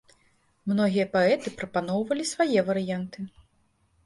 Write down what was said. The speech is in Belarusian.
Многія паэты прапаноўвалі свае варыянты.